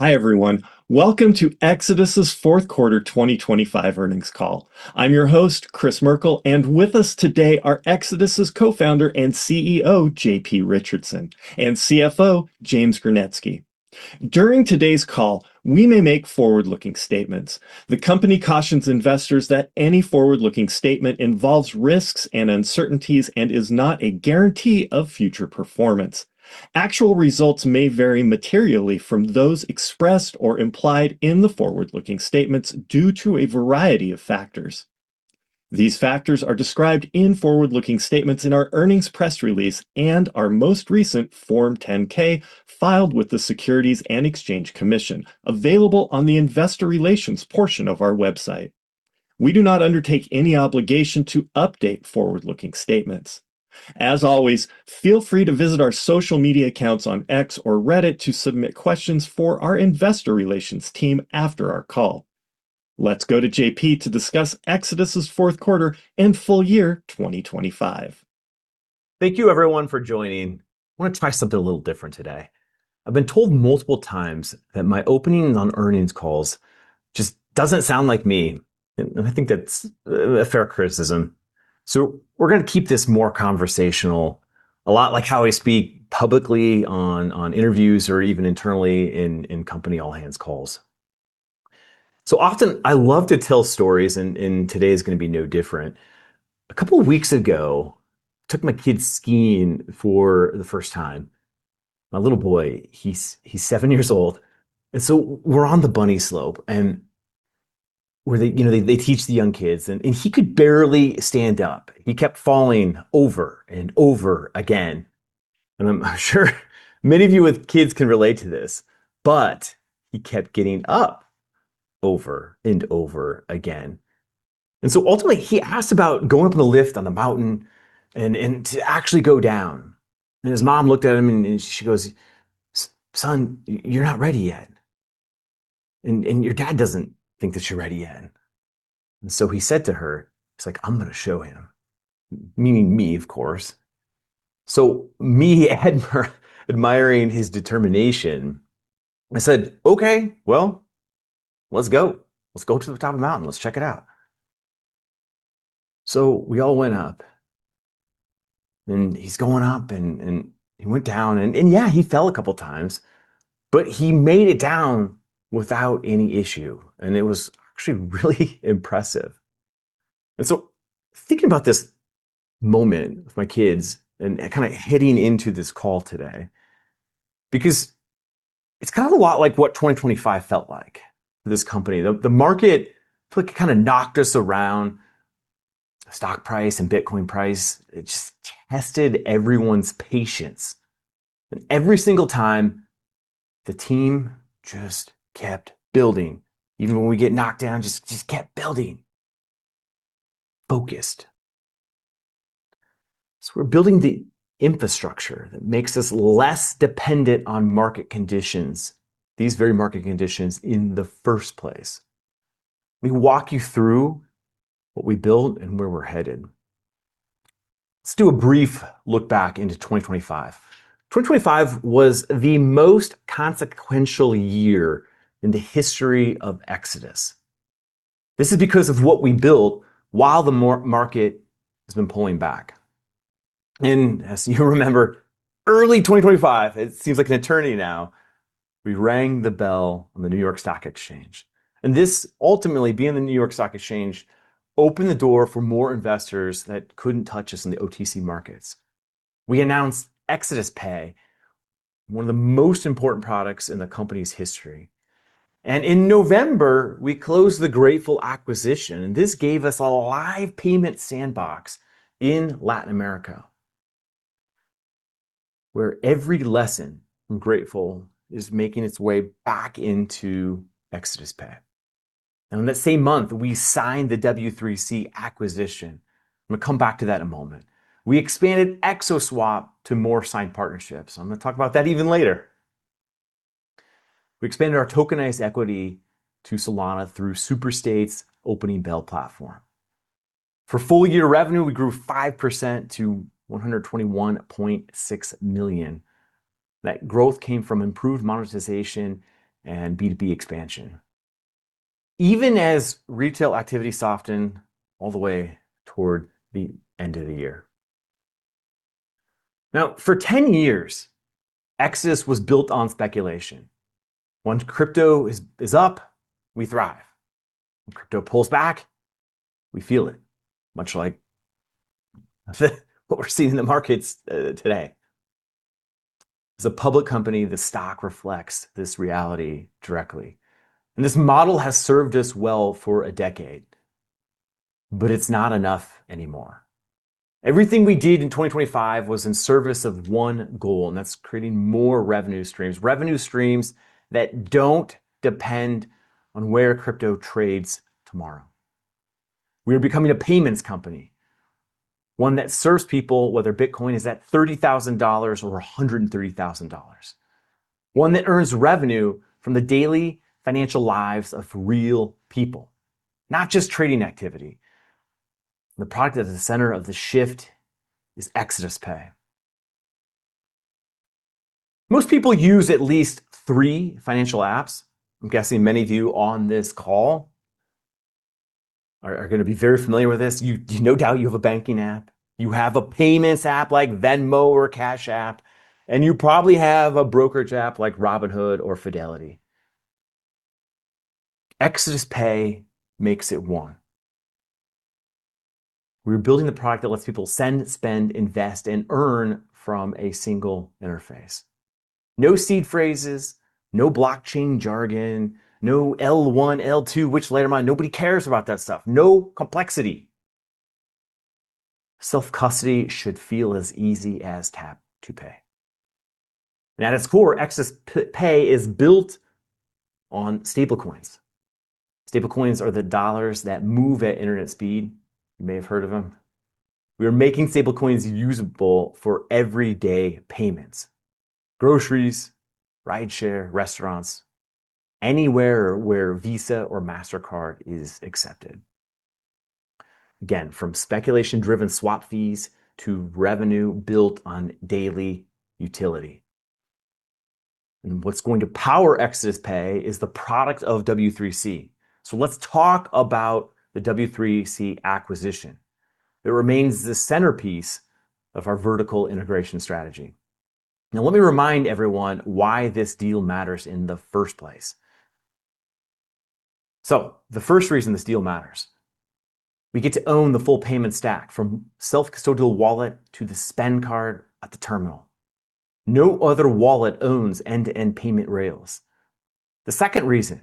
Hi, everyone. Welcome to Exodus's Q4 2025 earnings call. I'm your host, Kris Merkel, and with us today are Exodus's co-founder and CEO, JP Richardson, and CFO, James Gernetzke. During today's call, we may make forward-looking statements. The company cautions investors that any forward-looking statement involves risks and uncertainties and is not a guarantee of future performance. Actual results may vary materially from those expressed or implied in the forward-looking statements due to a variety of factors. These factors are described in forward-looking statements in our earnings press release and our most recent Form 10-K filed with the Securities and Exchange Commission, available on the investor relations portion of our website. We do not undertake any obligation to update forward-looking statements. As always, feel free to visit our social media accounts on X or Reddit to submit questions for our investor relations team after our call. Let's go to JP to discuss Exodus's Q4 and full year 2025. Thank you everyone for joining. I want to try something a little different today. I've been told multiple times that my opening on earnings calls just doesn't sound like me, and I think that's a fair criticism. We're going to keep this more conversational, a lot like how I speak publicly on interviews or even internally in company all-hands calls. Often I love to tell stories, and today is going to be no different. A couple of weeks ago, took my kids skiing for the first time. My little boy, he's seven years old. We're on the bunny slope and where they, you know, they teach the young kids and he could barely stand up. He kept falling over and over again. I'm sure many of you with kids can relate to this, but he kept getting up over and over again. Ultimately he asked about going up on the lift on the mountain and to actually go down. His mom looked at him and she goes, "Son, you're not ready yet. Your dad doesn't think that you're ready yet." He said to her, he's like, "I'm going to show him." Meaning me, of course. Me admiring his determination, I said, "Okay, well, let's go. Let's go to the top of the mountain. Let's check it out." We all went up, and he's going up, and he went down. Yeah, he fell a couple of times, but he made it down without any issue. It was actually really impressive. Thinking about this moment with my kids and kind of heading into this call today, because it's kind of a lot like what 2025 felt like for this company. The market kind of knocked us around. Stock price and Bitcoin price, it just tested everyone's patience. Every single time, the team just kept building. Even when we get knocked down, just kept building. Focused. We're building the infrastructure that makes us less dependent on market conditions, these very market conditions in the first place. Let me walk you through what we built and where we're headed. Let's do a brief look back into 2025. 2025 was the most consequential year in the history of Exodus. This is because of what we built while the market has been pulling back. As you remember, early 2025, it seems like an eternity now, we rang the bell on the New York Stock Exchange. This ultimately, being the New York Stock Exchange, opened the door for more investors that couldn't touch us in the OTC markets. We announced Exodus Pay, one of the most important products in the company's history. In November, we closed the Grateful acquisition, and this gave us a live payment sandbox in Latin America, where every lesson from Grateful is making its way back into Exodus Pay. In that same month, we signed the W3C acquisition. I'm going to come back to that in a moment. We expanded XO Swap to more signed partnerships. I'm going to come back to that even later. We expanded our tokenized equity to Solana through Superstate's Opening Bell platform. For full-year revenue, we grew 5% to $121.6 million. That growth came from improved monetization and B2B expansion, even as retail activity softened all the way toward the end of the year. Now, for 10 years, Exodus was built on speculation. Once crypto is up, we thrive. Crypto pulls back, we feel it, much like what we're seeing in the markets today. As a public company, the stock reflects this reality directly. This model has served us well for a decade, but it's not enough anymore. Everything we did in 2025 was in service of one goal, and that's creating more revenue streams, revenue streams that don't depend on where crypto trades tomorrow. We are becoming a payments company, one that serves people whether Bitcoin is at $30,000 or $130,000. One that earns revenue from the daily financial lives of real people, not just trading activity. The product at the center of the shift is Exodus Pay. Most people use at least three financial apps. I'm guessing many of you on this call are going to be very familiar with this. You, no doubt you have a banking app, you have a payments app like Venmo or Cash App, and you probably have a brokerage app like Robinhood or Fidelity. Exodus Pay makes it one. We're building the product that lets people send, spend, invest, and earn from a single interface. No seed phrases, no blockchain jargon, no L1, L2, which layer am I? Nobody cares about that stuff. No complexity. Self-custody should feel as easy as tap to pay. At its core, Exodus Pay is built on stablecoins. Stablecoins are the dollars that move at internet speed. You may have heard of them. We are making stablecoins usable for everyday payments, groceries, rideshare, restaurants, anywhere where Visa or Mastercard is accepted. Again, from speculation-driven swap fees to revenue built on daily utility. What's going to power Exodus Pay is the product of W3C. Let's talk about the W3C acquisition. It remains the centerpiece of our vertical integration strategy. Now, let me remind everyone why this deal matters in the first place. The first reason this deal matters, we get to own the full payment stack from self-custodial wallet to the spend card at the terminal. No other wallet owns end-to-end payment rails. The second reason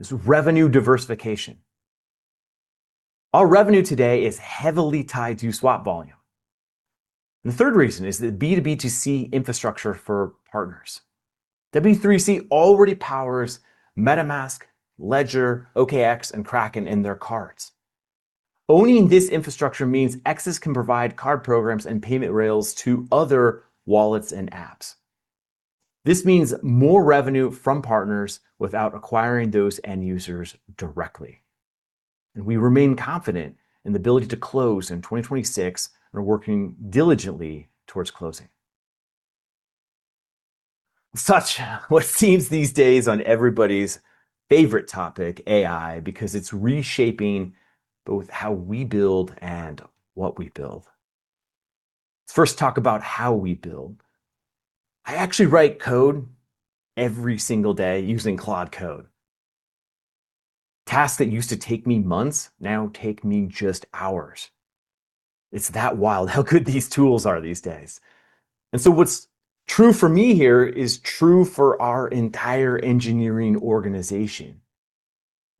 is revenue diversification. Our revenue today is heavily tied to swap volume. The third reason is the B2B2C infrastructure for partners. W3C already powers MetaMask, Ledger, OKX, and Kraken in their cards. Owning this infrastructure means Exodus can provide card programs and payment rails to other wallets and apps. This means more revenue from partners without acquiring those end users directly. We remain confident in the ability to close in 2026 and are working diligently towards closing. Let's touch what seems these days on everybody's favorite topic, AI, because it's reshaping both how we build and what we build. Let's first talk about how we build. I actually write code every single day using Claude Code. Tasks that used to take me months now take me just hours. It's that wild how good these tools are these days. What's true for me here is true for our entire engineering organization.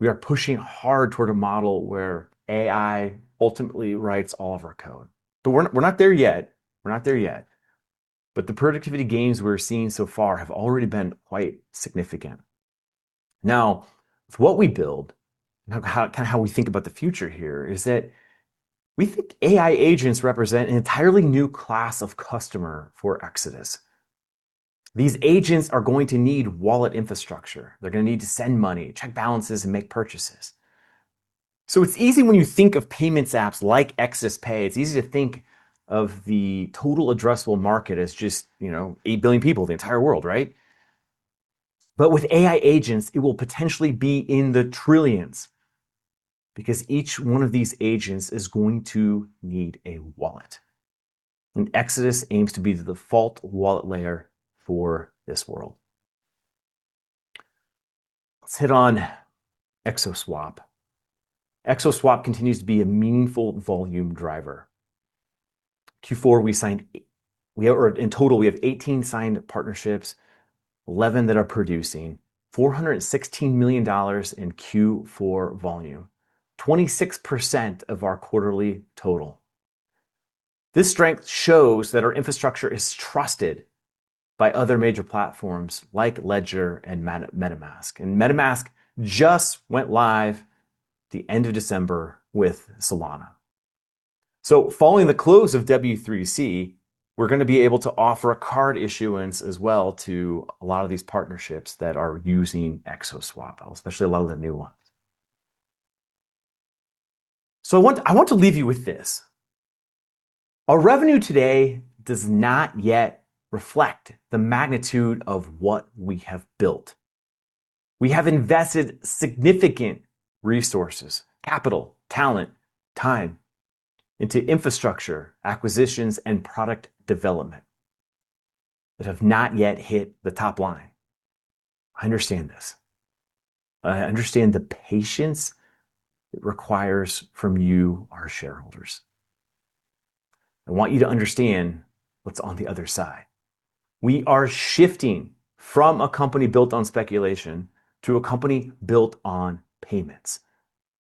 We are pushing hard toward a model where AI ultimately writes all of our code. But we're not there yet. We're not there yet, but the productivity gains we're seeing so far have already been quite significant. Now, with what we build, and how, kind of how we think about the future here, is that we think AI agents represent an entirely new class of customer for Exodus. These agents are going to need wallet infrastructure. They're going to need to send money, check balances, and make purchases. It's easy when you think of payments apps like Exodus Pay. It's easy to think of the total addressable market as just, you know, eight billion people, the entire world, right? With AI agents, it will potentially be in the trillions, because each one of these agents is going to need a wallet, and Exodus aims to be the default wallet layer for this world. Let's hit on XO Swap. XO Swap continues to be a meaningful volume driver. In total, we have 18 signed partnerships, 11 that are producing $416 million in Q4 volume, 26% of our quarterly total. This strength shows that our infrastructure is trusted by other major platforms like Ledger and MetaMask. MetaMask just went live the end of December with Solana. Following the close of W3C, we're going to be able to offer a card issuance as well to a lot of these partnerships that are using XO Swap, especially a lot of the new ones. I want to leave you with this. Our revenue today does not yet reflect the magnitude of what we have built. We have invested significant resources, capital, talent, time into infrastructure, acquisitions, and product development that have not yet hit the top line. I understand this. I understand the patience it requires from you, our shareholders. I want you to understand what's on the other side. We are shifting from a company built on speculation to a company built on payments,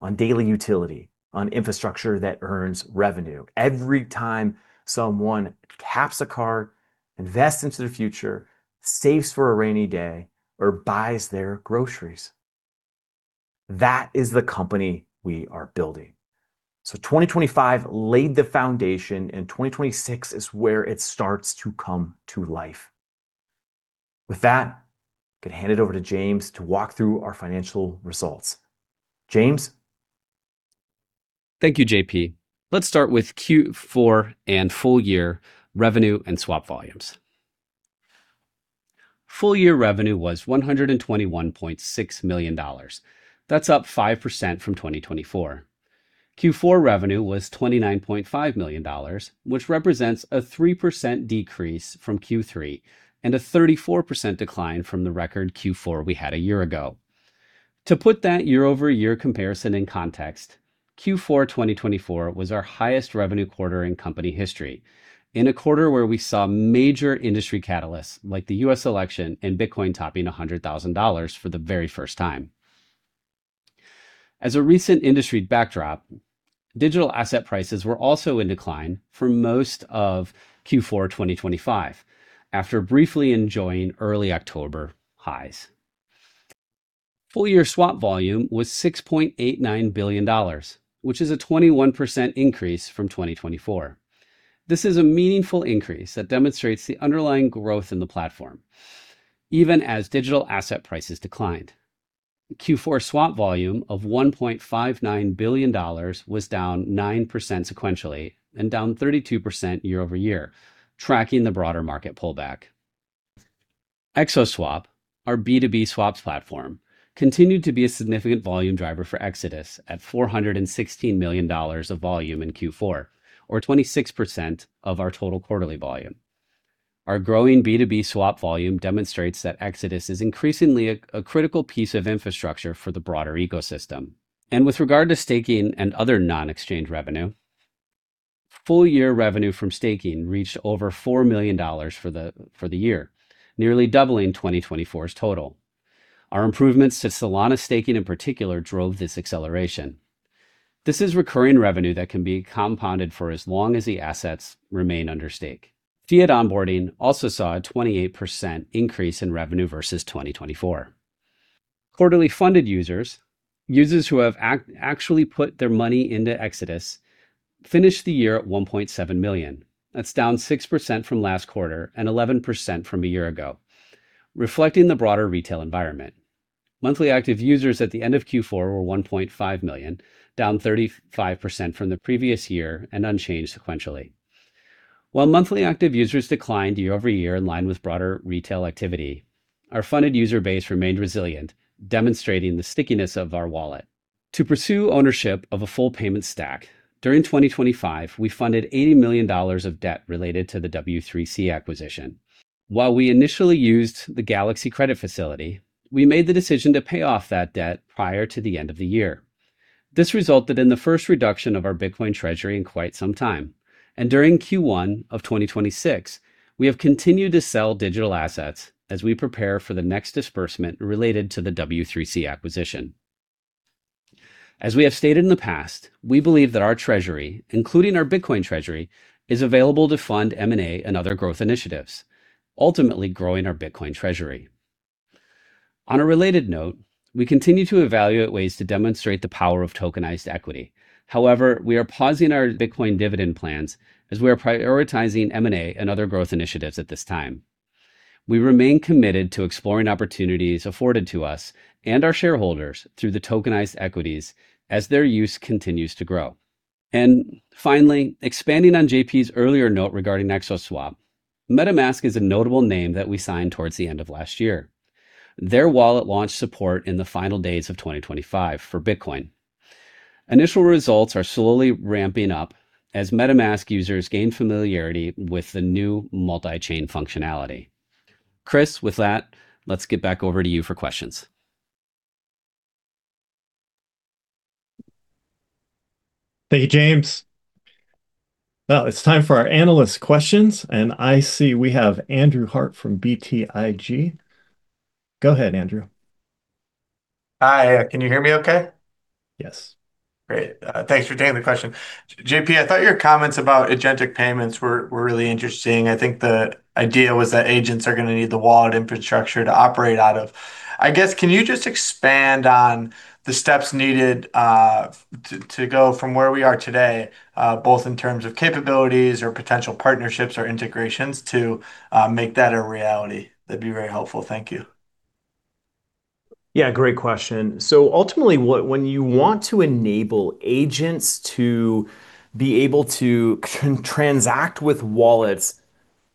on daily utility, on infrastructure that earns revenue every time someone taps a card, invests into their future, saves for a rainy day, or buys their groceries. That is the company we are building. 2025 laid the foundation, and 2026 is where it starts to come to life. With that, going to hand it over to James to walk through our financial results. James. Thank you, JP. Let's start with Q4 and full year revenue and swap volumes. Full year revenue was $121.6 million. That's up 5% from 2024. Q4 revenue was $29.5 million, which represents a 3% decrease from Q3 and a 34% decline from the record Q4 we had a year ago. To put that year-over-year comparison in context, Q4 2024 was our highest revenue quarter in company history, in a quarter where we saw major industry catalysts like the U.S. election and Bitcoin topping $100,000 for the very first time. As a recent industry backdrop, digital asset prices were also in decline for most of Q4 2025, after briefly enjoying early October highs. Full year swap volume was $6.89 billion, which is a 21% increase from 2024. This is a meaningful increase that demonstrates the underlying growth in the platform, even as digital asset prices declined. Q4 swap volume of $1.59 billion was down 9% sequentially and down 32% year-over-year, tracking the broader market pullback. XO Swap, our B2B swaps platform, continued to be a significant volume driver for Exodus at $416 million of volume in Q4, or 26% of our total quarterly volume. Our growing B2B swap volume demonstrates that Exodus is increasingly a critical piece of infrastructure for the broader ecosystem. With regard to staking and other non-exchange revenue, full year revenue from staking reached over $4 million for the year, nearly doubling 2024's total. Our improvements to Solana staking in particular drove this acceleration. This is recurring revenue that can be compounded for as long as the assets remain under stake. Fiat onboarding also saw a 28% increase in revenue versus 2024. Quarterly funded users who have actually put their money into Exodus, finished the year at 1.7 million. That's down 6% from last quarter and 11% from a year ago, reflecting the broader retail environment. Monthly active users at the end of Q4 were 1.5 million, down 35% from the previous year and unchanged sequentially. While monthly active users declined year-over-year in line with broader retail activity, our funded user base remained resilient, demonstrating the stickiness of our wallet. To pursue ownership of a full payment stack, during 2025, we funded $80 million of debt related to the W3C acquisition. While we initially used the Galaxy credit facility, we made the decision to pay off that debt prior to the end of the year. This resulted in the first reduction of our Bitcoin treasury in quite some time. During Q1 of 2026, we have continued to sell digital assets as we prepare for the next disbursement related to the W3C acquisition. As we have stated in the past, we believe that our treasury, including our Bitcoin treasury, is available to fund M&A and other growth initiatives, ultimately growing our Bitcoin treasury. On a related note, we continue to evaluate ways to demonstrate the power of tokenized equity. However, we are pausing our Bitcoin dividend plans as we are prioritizing M&A and other growth initiatives at this time. We remain committed to exploring opportunities afforded to us and our shareholders through the tokenized equities as their use continues to grow. Finally, expanding on JP's earlier note regarding XO Swap, MetaMask is a notable name that we signed towards the end of last year. Their wallet launched support in the final days of 2025 for Bitcoin. Initial results are slowly ramping up as MetaMask users gain familiarity with the new multi-chain functionality. Kris, with that, let's get back over to you for questions. Thank you, James. Well, it's time for our analyst questions, and I see we have Andrew Harte from BTIG. Go ahead, Andrew. Hi, can you hear me okay? Yes. Great. Thanks for taking the question. JP, I thought your comments about agentic payments were really interesting. I think the idea was that agents are going to need the wallet infrastructure to operate out of. I guess, can you just expand on the steps needed to go from where we are today, both in terms of capabilities or potential partnerships or integrations to make that a reality? That'd be very helpful. Thank you. Yeah, great question. Ultimately, when you want to enable agents to be able to transact with wallets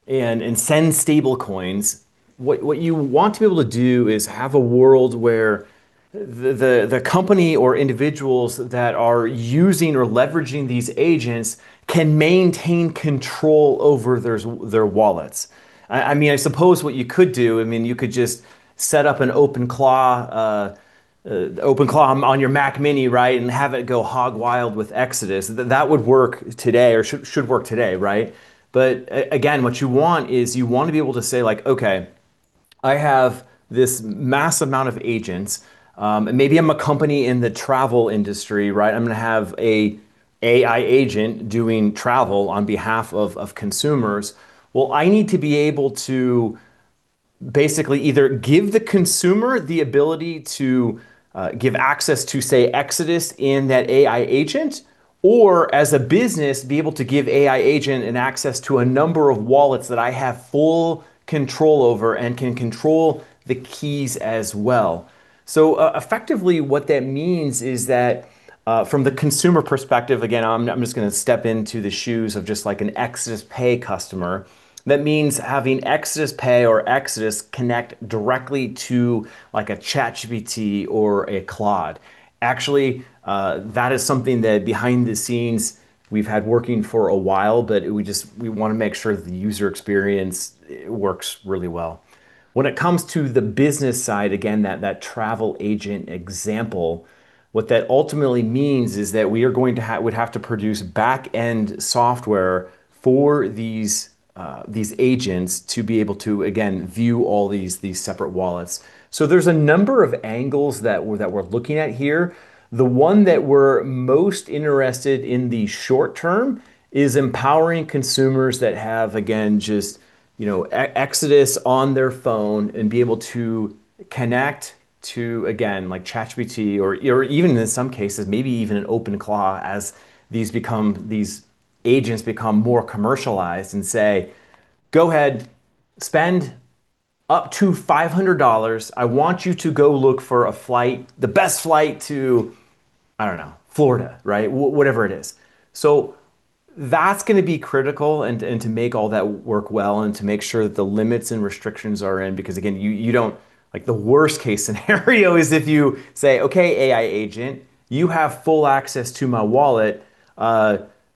and send stablecoins, what you want to be able to do is have a world where the company or individuals that are using or leveraging these agents can maintain control over their wallets. I mean, I suppose what you could do, I mean, you could just set up an OpenClaw on your Mac mini, right? Have it go hog wild with Exodus. That would work today or should work today, right? Again, what you want is you want to be able to say, like, "Okay, I have this mass amount of agents. Maybe I'm a company in the travel industry, right? I'm going to have an AI agent doing travel on behalf of consumers. Well, I need to be able to basically either give the consumer the ability to give access to, say, Exodus in that AI agent, or as a business, be able to give AI agent an access to a number of wallets that I have full control over and can control the keys as well. Effectively what that means is that from the consumer perspective, again, I'm just going to step into the shoes of just, like, an Exodus Pay customer, that means having Exodus Pay or Exodus connect directly to, like, a ChatGPT or a Claude. Actually, that is something that behind the scenes we've had working for a while, but we want to make sure the user experience works really well. When it comes to the business side, again, that travel agent example, what that ultimately means is that we would have to produce back-end software for these agents to be able to, again, view all these separate wallets. There's a number of angles that we're looking at here. The one that we're most interested in the short term is empowering consumers that have, again, just, you know, Exodus on their phone and be able to connect to, again, like, ChatGPT or even in some cases maybe even an OpenClaw as these agents become more commercialized, and say, "Go ahead, spend up to $500. I want you to go look for a flight, the best flight to, I don't know, Florida," right? Whatever it is. That's going to be critical and to make all that work well and to make sure that the limits and restrictions are in because, again, you don't like, the worst-case scenario is if you say, "Okay, AI agent, you have full access to my wallet.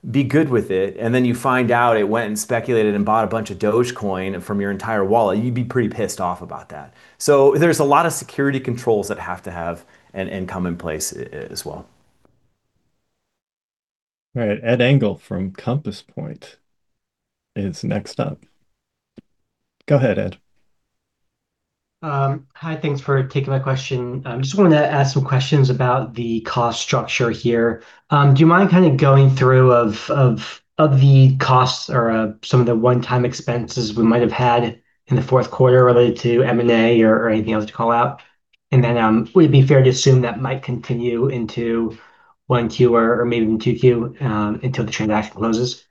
Be good with it." And then you find out it went and speculated and bought a bunch of Dogecoin from your entire wallet, you'd be pretty pissed off about that. There's a lot of security controls that have to have and come in place as well. All right. Ed Engel from Compass Point is next up. Go ahead, Ed. Hi. Thanks for taking my question. I just wanted to ask some questions about the cost structure here. Do you mind kind of going through the costs or some of the one-time expenses we might have had in the Q4 related to M&A or anything else to call out? Would it be fair to assume that might continue into 1Q or maybe even 2Q until the transaction closes?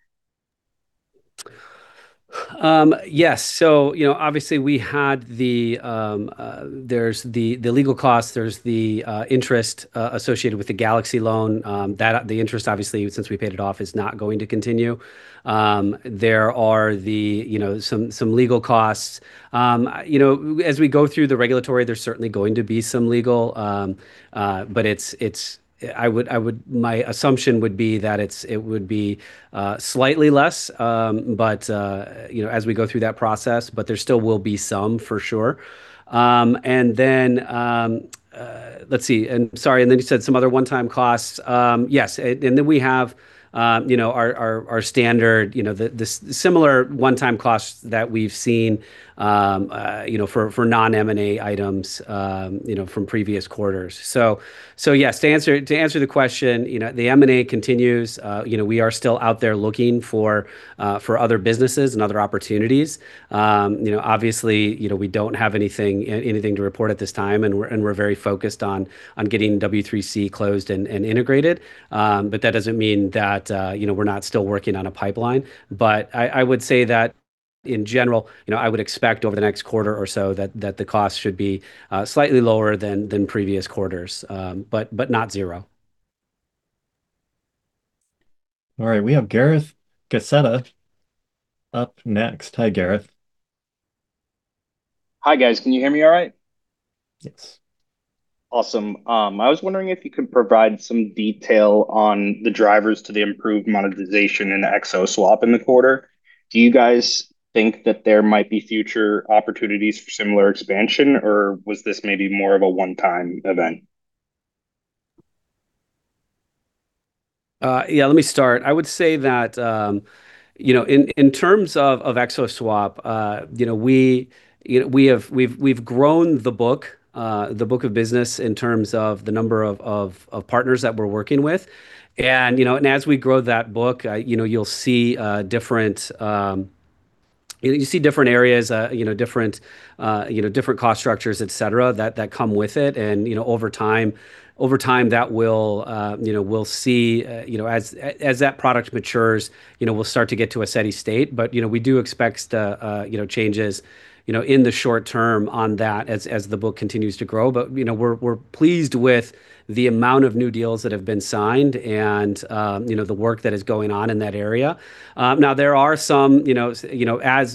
Yes. You know, obviously we had the, there's the legal costs, there's the, interest associated with the Galaxy loan. The interest obviously since we paid it off is not going to continue. There are the, you know, some legal costs. You know, as we go through the regulatory, there's certainly going to be some legal. But it's. I would, I would. My assumption would be that it's. It would be slightly less, but, you know, as we go through that process, but there still will be some, for sure. Let's see. Sorry, then you said some other one-time costs. Yes. We have, you know, our standard, you know, this similar one-time costs that we've seen, you know, for non-M&A items, you know, from previous quarters. Yes, to answer the question, you know, the M&A continues. You know, we are still out there looking for other businesses and other opportunities. You know, obviously, you know, we don't have anything to report at this time, and we're very focused on getting W3C closed and integrated. That doesn't mean that, you know, we're not still working on a pipeline. I would say that in general, you know, I would expect over the next quarter or so that the cost should be slightly lower than previous quarters, but not zero. All right. We have Gareth Gascetta up next. Hi, Gareth. Hi, guys. Can you hear me all right? Yes. Awesome. I was wondering if you could provide some detail on the drivers to the improved monetization in the XO Swap in the quarter. Do you guys think that there might be future opportunities for similar expansion, or was this maybe more of a one-time event? Yeah. Let me start. I would say that, you know, in terms of XO Swap, you know, we have grown the book of business in terms of the number of partners that we're working with. You know, as we grow that book, you know, you'll see different areas, you know, different cost structures, et cetera, that come with it. You know, over time that will, you know, we'll see, you know, as that product matures, you know, we'll start to get to a steady state. You know, we do expect, you know, changes, you know, in the short term on that as the book continues to grow. You know, we're pleased with the amount of new deals that have been signed and, you know, the work that is going on in that area. Now there are some, you know,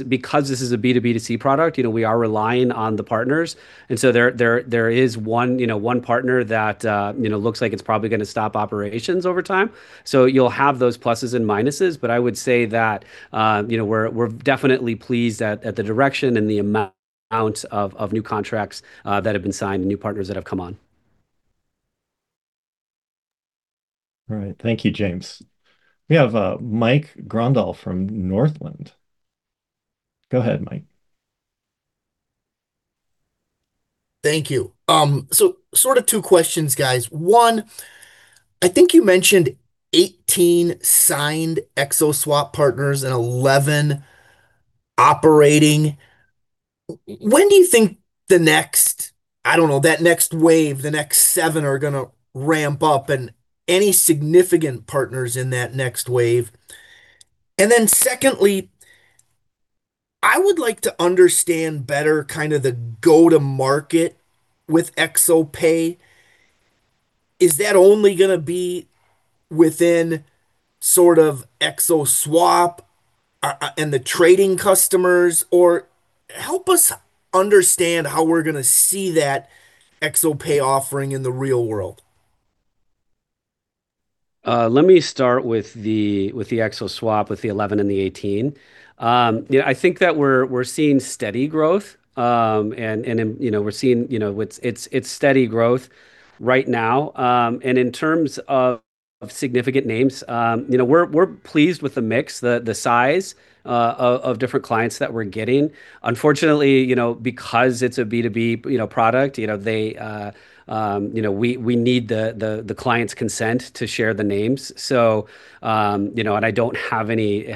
because this is a B2B2C product, you know, we are relying on the partners, and so there is one, you know, one partner that, you know, looks like it's probably going to stop operations over time. So you'll have those pluses and minuses. I would say that, you know, we're definitely pleased at the direction and the amount of new contracts that have been signed and new partners that have come on. All right. Thank you, James. We have Mike Grondahl from Northland. Go ahead, Mike. Thank you. So sort of two questions, guys. One, I think you mentioned 18 signed XO Swap partners and 11 operating. When do you think the next, I don't know, that next wave, the next seven are going to ramp up, and any significant partners in that next wave? Secondly, I would like to understand better kind of the go-to-market with Exodus Pay. Is that only going to be within sort of XO Swap and the trading customers? Or help us understand how we're going to see that Exodus Pay offering in the real world. Let me start with the XO Swap, with the 11 and the 18. I think that we're seeing steady growth. You know, we're seeing, you know, it's steady growth right now. In terms of significant names, you know, we're pleased with the mix, the size of different clients that we're getting. Unfortunately, you know, because it's a B2B product, you know, they, you know, we need the client's consent to share the names. You know, I don't have any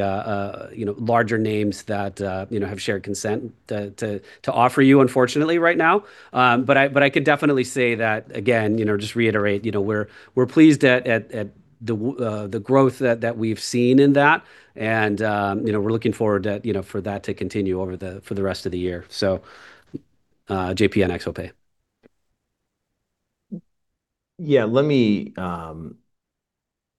larger names that, you know, have shared consent to offer you unfortunately right now. I could definitely say that, again, you know, just reiterate, you know, we're pleased at the growth that we've seen in that. You know, we're looking forward to, you know, for that to continue over the, for the rest of the year. JP and Exodus Pay. Yeah, let me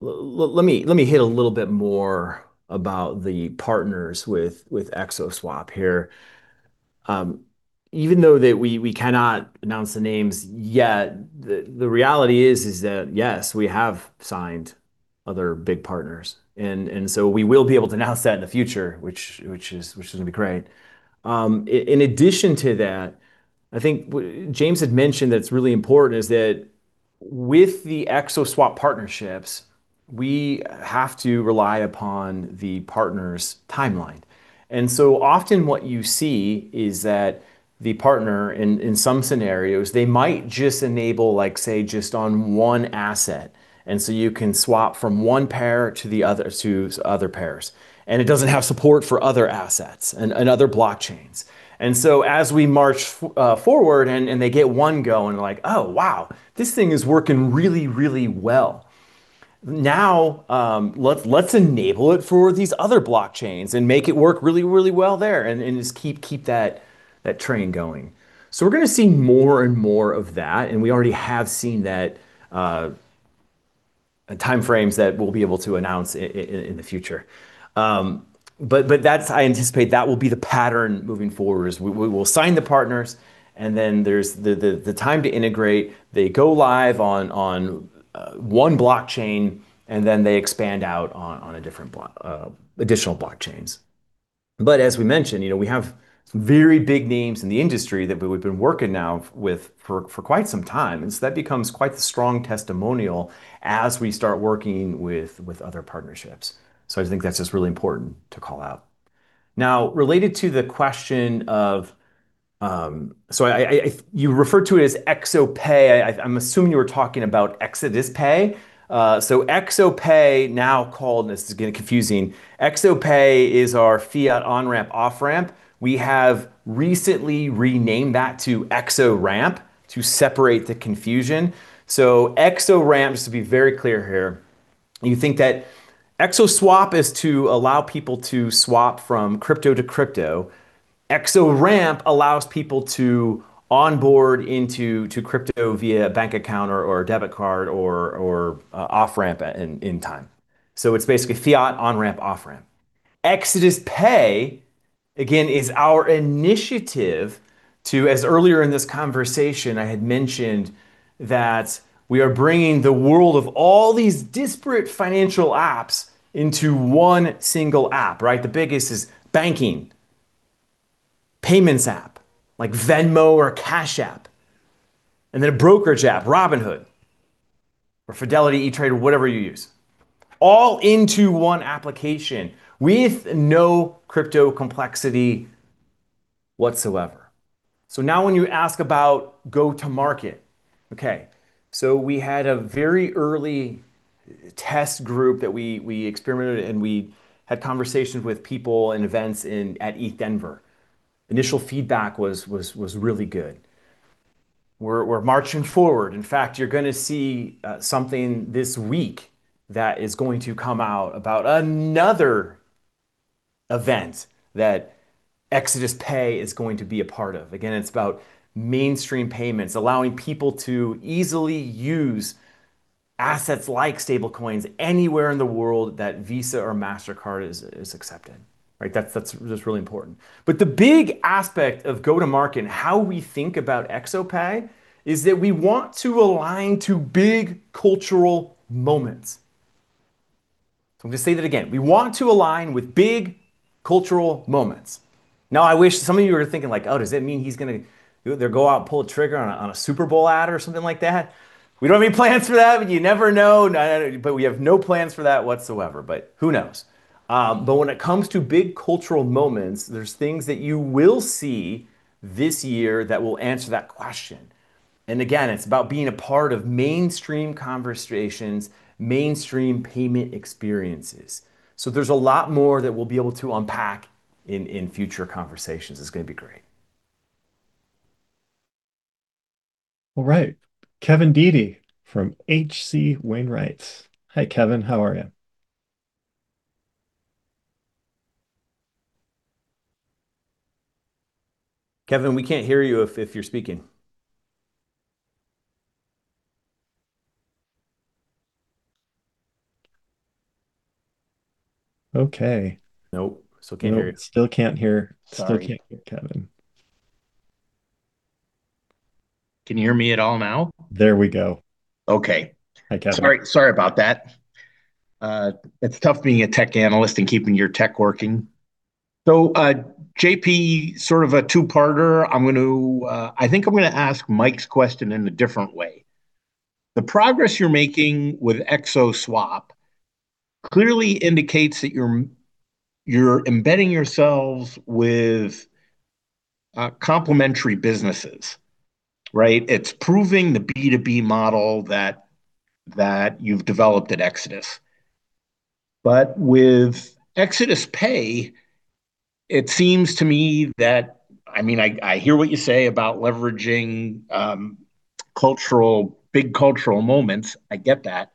hit a little bit more about the partners with XO Swap here. Even though that we cannot announce the names yet, the reality is that yes, we have signed other big partners. We will be able to announce that in the future, which is going to be great. In addition to that, I think James had mentioned that it's really important is that with the XO Swap partnerships, we have to rely upon the partner's timeline. Often what you see is that the partner in some scenarios, they might just enable like, say, just on one asset, and so you can swap from one pair to the other, to other pairs. It doesn't have support for other assets and other blockchains. As we march forward and they get one going like, "Oh, wow, this thing is working really, really well," now, let's enable it for these other blockchains and make it work really, really well there and just keep that train going. We're going to see more and more of that, and we already have seen that in timeframes that we'll be able to announce in the future. That's I anticipate that will be the pattern moving forward is we will sign the partners, and then there's the time to integrate, they go live on one blockchain, and then they expand out on a different blockchain, additional blockchains. As we mentioned, you know, we have very big names in the industry that we've been working now with for quite some time. That becomes quite the strong testimonial as we start working with other partnerships. I think that's just really important to call out. Now, related to the question of, you referred to it as ExoPay. I'm assuming you were talking about Exodus Pay. This is getting confusing. ExoPay is our fiat on-ramp, off-ramp. We have recently renamed that to ExoRamp to separate the confusion. ExoRamp, just to be very clear here, you think that XO Swap is to allow people to swap from crypto to crypto. ExoRamp allows people to onboard into crypto via bank account or debit card or off-ramp in time. It's basically fiat on-ramp, off-ramp. Exodus Pay, again, is our initiative to, as earlier in this conversation I had mentioned, that we are bringing the world of all these disparate financial apps into one single app, right? The biggest is banking, payments app, like Venmo or Cash App, and then a brokerage app, Robinhood or Fidelity, E*TRADE, whatever you use, all into one application with no crypto complexity whatsoever. Now when you ask about go to market, okay. We had a very early test group that we experimented and we had conversations with people and events at ETHDenver. Initial feedback was really good. We're marching forward. In fact, you're going to see something this week that is going to come out about another event that Exodus Pay is going to be a part of. Again, it's about mainstream payments, allowing people to easily use assets like stablecoins anywhere in the world that Visa or Mastercard is accepted, right? That's just really important. The big aspect of go-to-market and how we think about Exodus Pay is that we want to align to big cultural moments. So I'm going to say that again. We want to align with big cultural moments. Now, I wish some of you are thinking like, "Oh, does that mean he's going to go out and pull a trigger on a Super Bowl ad or something like that?" We don't have any plans for that, but you never know. We have no plans for that whatsoever, but who knows? When it comes to big cultural moments, there's things that you will see this year that will answer that question. Again, it's about being a part of mainstream conversations, mainstream payment experiences. There's a lot more that we'll be able to unpack in future conversations. It's going to be great. All right. Kevin Dede from H.C. Wainwright & Co. Hi, Kevin. How are you? Kevin, we can't hear you if you're speaking. Okay. Nope, still can't hear you. Nope, still can't hear. Sorry. Still can't hear Kevin. Can you hear me at all now? There we go. Okay. Hi, Kevin. Sorry about that. It's tough being a tech analyst and keeping your tech working. JP, sort of a two-parter. I think I'm going to ask Mike's question in a different way. The progress you're making with XO Swap clearly indicates that you're embedding yourselves with complementary businesses, right? It's proving the B2B model that you've developed at Exodus. With Exodus Pay, it seems to me that I mean, I hear what you say about leveraging big cultural moments. I get that.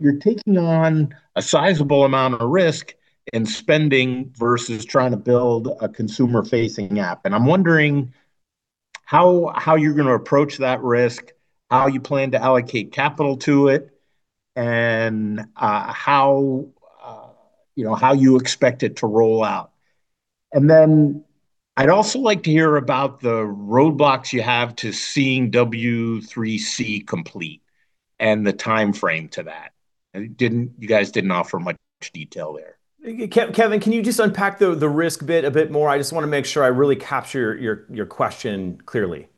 You're taking on a sizable amount of risk in spending versus trying to build a consumer-facing app. I'm wondering how you're going to approach that risk, how you plan to allocate capital to it, and you know, how you expect it to roll out. Then I'd also like to hear about the roadblocks you have to seeing W3C complete and the timeframe to that. You guys didn't offer much detail there. Kevin, can you just unpack the risk bit a bit more? I just want to make sure I really capture your question clearly.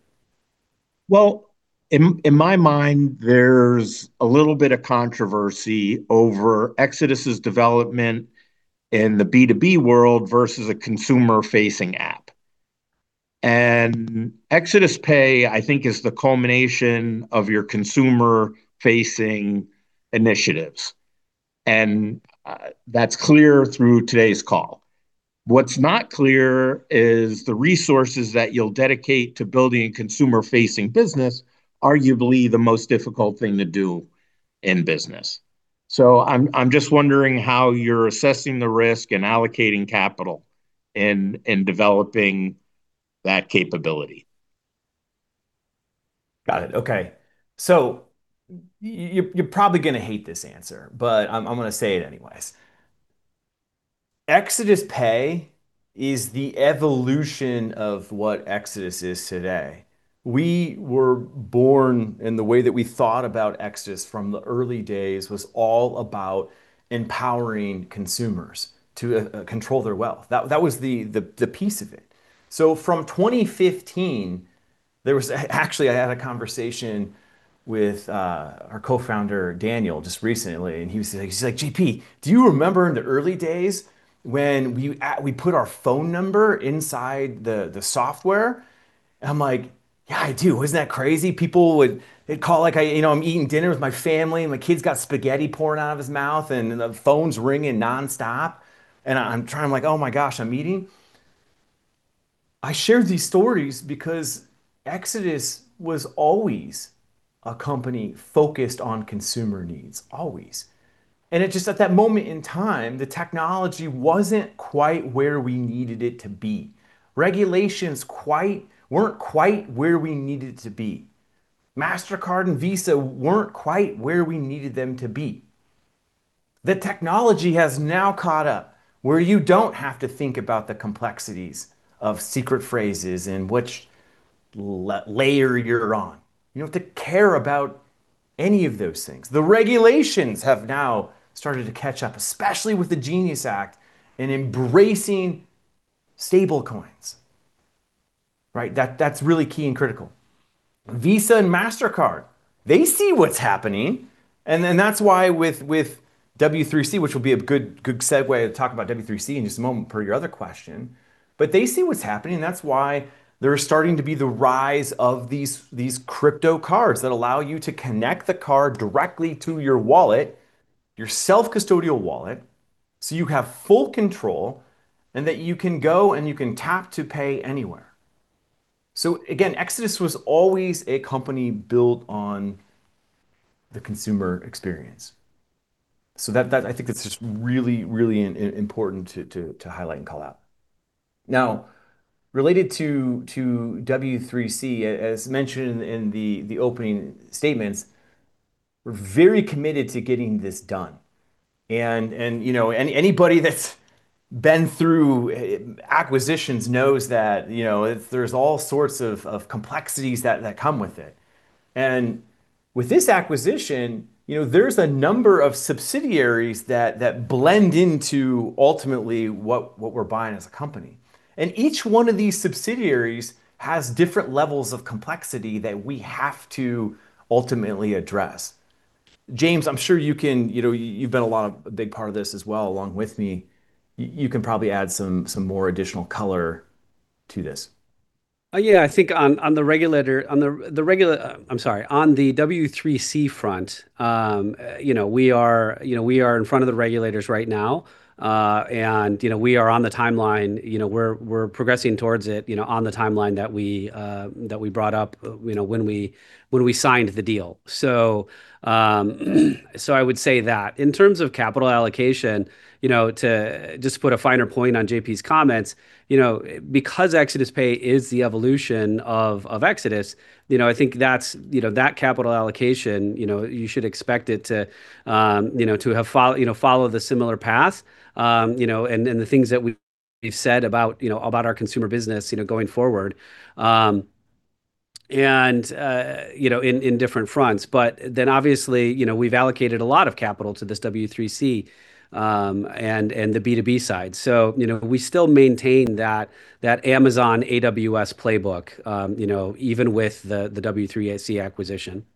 Well, in my mind, there's a little bit of controversy over Exodus's development in the B2B world versus a consumer-facing app. Exodus Pay, I think, is the culmination of your consumer-facing initiatives, and that's clear through today's call. What's not clear is the resources that you'll dedicate to building a consumer-facing business, arguably the most difficult thing to do in business. I'm just wondering how you're assessing the risk and allocating capital in developing that capability. Got it. Okay. You're probably going to hate this answer, but I'm going to say it anyways. Exodus Pay is the evolution of what Exodus is today. We were born. The way that we thought about Exodus from the early days was all about empowering consumers to control their wealth. That was the piece of it. From 2015, actually, I had a conversation with our co-founder, Daniel, just recently, and he was like, "JP, do you remember in the early days when we put our phone number inside the software?" And I'm like, "Yeah, I do. Wasn't that crazy?" They'd call. You know, I'm eating dinner with my family, and my kid's got spaghetti pouring out of his mouth, and the phone's ringing nonstop. I'm trying, I'm like, "Oh my gosh, I'm eating." I share these stories because Exodus was always a company focused on consumer needs, always. It just at that moment in time, the technology wasn't quite where we needed it to be. Regulations weren't quite where we needed it to be. Mastercard and Visa weren't quite where we needed them to be. The technology has now caught up, where you don't have to think about the complexities of secret phrases and which layer you're on. You don't have to care about any of those things. The regulations have now started to catch up, especially with the GENIUS Act, in embracing stablecoins. Right? That, that's really key and critical. Visa and Mastercard, they see what's happening, and then that's why with W3C, which will be a good segue to talk about W3C in just a moment per your other question. They see what's happening. That's why there's starting to be the rise of these crypto cards that allow you to connect the card directly to your wallet, your self-custodial wallet, so you have full control, and that you can go and you can tap to pay anywhere. Again, Exodus was always a company built on the consumer experience. That, I think that's just really important to highlight and call out. Now, related to W3C, as mentioned in the opening statements, we're very committed to getting this done. You know, anybody that's been through acquisitions knows that, you know, there's all sorts of complexities that come with it. With this acquisition, you know, there's a number of subsidiaries that blend into ultimately what we're buying as a company. Each one of these subsidiaries has different levels of complexity that we have to ultimately address. James, I'm sure you can, you know. You've been a big part of this as well along with me. You can probably add some more additional color to this. Yeah, I think on the W3C front, you know, we are in front of the regulators right now. You know, we are on the timeline, you know, we're progressing towards it, you know, on the timeline that we brought up, you know, when we signed the deal. I would say that. In terms of capital allocation, you know, to just put a finer point on JP's comments, you know, because Exodus Pay is the evolution of Exodus, you know, I think that's, you know, that capital allocation, you know, you should expect it to, you know, to follow the similar path, you know, and the things that we've said about, you know, about our consumer business, you know, going forward. You know in different fronts. Obviously, you know, we've allocated a lot of capital to this W3C, and the B2B side. You know, we still maintain that Amazon AWS playbook, you know, even with the W3C acquisition.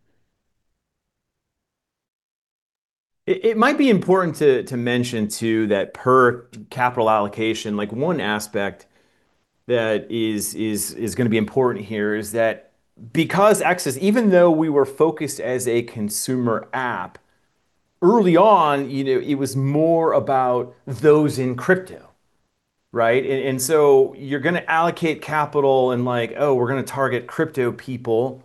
It might be important to mention too that capital allocation, like one aspect that is going to be important here is that because Exodus, even though we were focused as a consumer app, early on, you know, it was more about those in crypto, right? So you're going to allocate capital and like, "Oh, we're going to target crypto people,"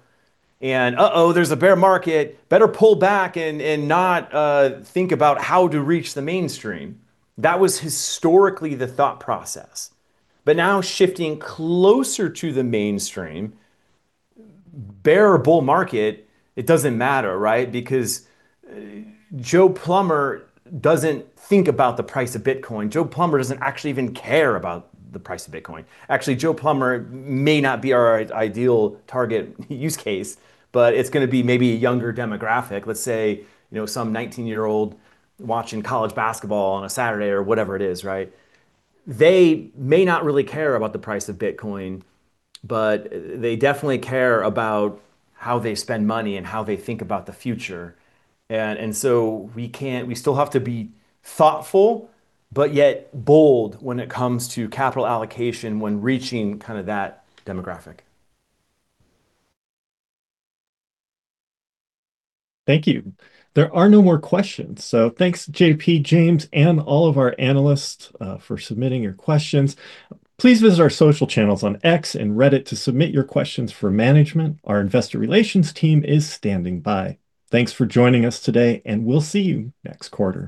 and "Uh-oh, there's a bear market. Better pull back and not think about how to reach the mainstream." That was historically the thought process. Now shifting closer to the mainstream, bear or bull market, it doesn't matter, right? Because Joe Plumber doesn't think about the price of Bitcoin. Joe Plumber doesn't actually even care about the price of Bitcoin. Actually, Joe Plumber may not be our ideal target use case, but it's going to be maybe a younger demographic. Let's say, you know, some 19-year-old watching college basketball on a Saturday or whatever it is, right? They may not really care about the price of Bitcoin, but they definitely care about how they spend money and how they think about the future. We still have to be thoughtful but yet bold when it comes to capital allocation when reaching kinda that demographic. Thank you. There are no more questions. Thanks JP, James, and all of our analysts for submitting your questions. Please visit our social channels on X and Reddit to submit your questions for management. Our investor relations team is standing by. Thanks for joining us today, and we'll see you next quarter.